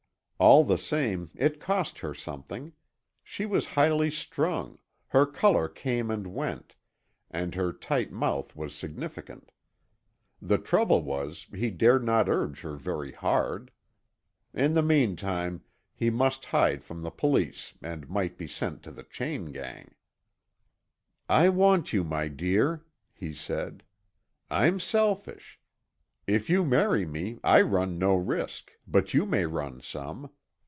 All the same, it cost her something; she was highly strung, her color came and went, and her tight mouth was significant. The trouble was, he dared not urge her very hard. In the meantime, he must hide from the police and might be sent to the chain gang. "I want you, my dear," he said. "I'm selfish. If you marry me, I run no risk, but you may run some.